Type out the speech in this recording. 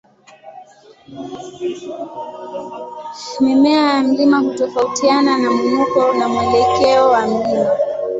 Mimea ya mlima hutofautiana na mwinuko na mwelekeo wa mlima.